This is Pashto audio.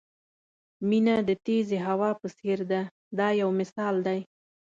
مینه د تېزې هوا په څېر ده دا یو مثال دی.